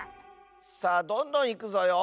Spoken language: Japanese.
さあどんどんいくぞよ。